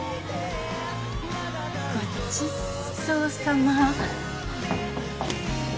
ごちそうさま。